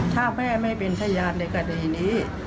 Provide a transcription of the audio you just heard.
ถ้าแม่ไม่เป็นพยานในคดีนี้